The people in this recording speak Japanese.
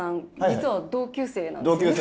実は同級生なんですよね？